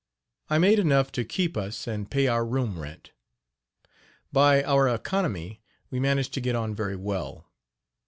I made enough to keep us and pay our room rent. By our economy we managed to get on very well.